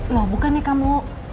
loh bukan nih kamu